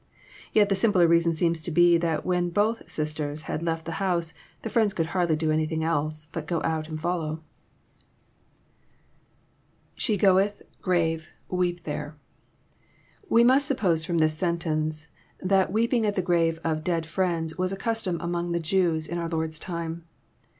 Yet the simpler reason seems to be that when both sisters had left the house, the friends could hardly do anything else but go out and follow. JOHNy CHAP. XI. 271 [^8he goeth, .grave.., weep thfire.'] We Diust suppose from this sentence, ths: weeping at the grave of dead Arieuds was a custom amoig the Jews in our Lord^s time.